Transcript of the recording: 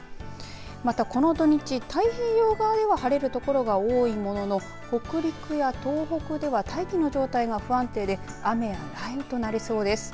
また、この土日、太平洋側では晴れる所が多いものの北陸や東北では大気の状態が不安定で雨や雷雨となりそうです。